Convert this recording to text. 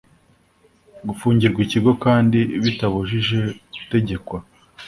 gufungirwa ikigo kandi bitabujije gutegekwa